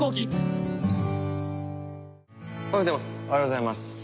おはようございます。